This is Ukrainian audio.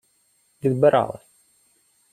— Відбирали.